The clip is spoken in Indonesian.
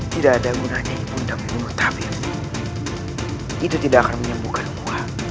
tidak ada gunanya ini bunda membunuh tabib itu tidak akan menyembuhkanmu